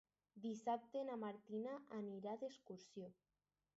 Dissabte na Martina anirà d'excursió.